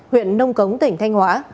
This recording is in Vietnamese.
huyện nông cống tỉnh thanh hóa